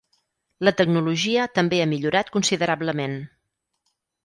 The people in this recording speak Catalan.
La tecnologia també ha millorat considerablement.